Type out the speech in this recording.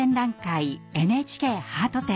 ＮＨＫハート展。